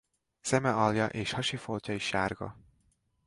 Szeme alja és hasi foltja is sárga.